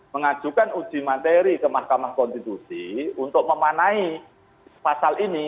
mengajukan uji materi ke mahkamah konstitusi untuk memanai pasal ini